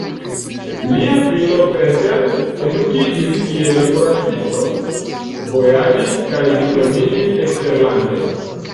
Lia filo Peter edukiĝis kiel kuracisto, vojaĝis kaj diplomiĝis eksterlande.